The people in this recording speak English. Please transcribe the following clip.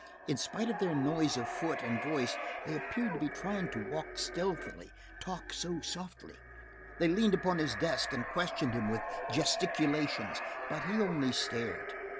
In spite of their noise of foot and voice they appeared to be trying to walk stealthily, talk so softly. They leaned about his desk and questioned him with gesticulations, but he only stared.